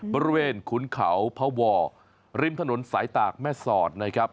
บริเวณขุนเขาพวริมถนนสายตากแม่ศอดนะครับ